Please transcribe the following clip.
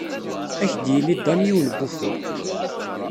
Ad ak-d-yini Dan yiwen n wufur.